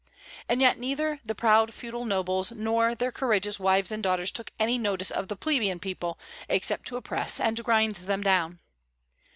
And yet neither the proud feudal nobles nor their courageous wives and daughters took any notice of the plebeian people, except to oppress and grind them down.